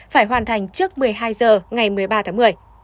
phải hoàn thành trước một mươi hai h ngày một mươi ba tháng một mươi